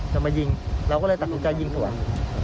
จะมายิงเราก็เลยตัดสินใจยิงสวน